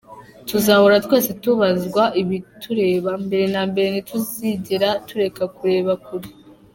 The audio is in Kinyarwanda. Tuzahora twese tubazwa ibitureba, mbere na mbere ntituzigera tureka kureba kure.